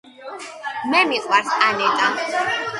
მე მიყვარს ანეტა